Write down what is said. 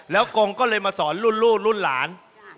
แล้วกงก็เลยมาสอนรุ่นลูกรุ่นหลาน